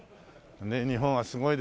日本はすごいですよ。